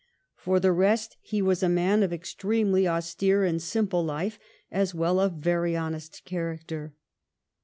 For the rest, he was a man of extremely austere and simple life, as well as of very honest character.